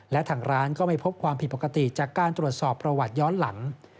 และทางร้านก็ไม่พบความผิดปกติจากการตรวจสอบประวัติย้อนหลัง